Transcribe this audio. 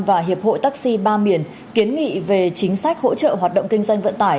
và hiệp hội taxi ba miền kiến nghị về chính sách hỗ trợ hoạt động kinh doanh vận tải